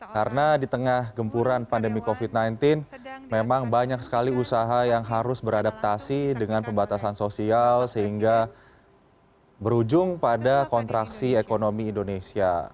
karena di tengah gempuran pandemi covid sembilan belas memang banyak sekali usaha yang harus beradaptasi dengan pembatasan sosial sehingga berujung pada kontraksi ekonomi indonesia